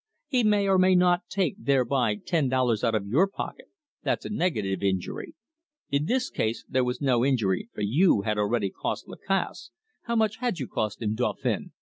He may or may not take thereby ten dollars out of your pocket: that's a negative injury. In this case there was no injury, for you had already cost Lacasse how much had you cost him, Dauphin?"